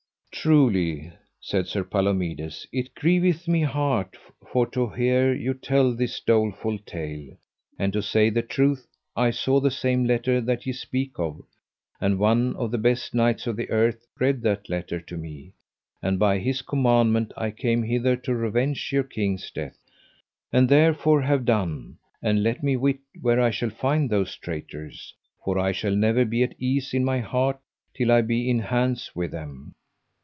Truly, said Sir Palomides, it grieveth my heart for to hear you tell this doleful tale; and to say the truth I saw the same letter that ye speak of, and one of the best knights on the earth read that letter to me, and by his commandment I came hither to revenge your king's death; and therefore have done, and let me wit where I shall find those traitors, for I shall never be at ease in my heart till I be in hands with them.